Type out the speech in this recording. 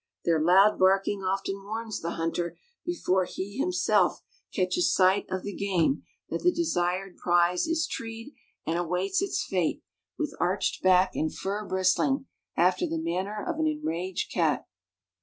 Their loud barking often warns the hunter before he himself catches sight of the game that the desired prize is treed, and awaits its fate, with arched back and fur bristling, after the manner of an enraged cat.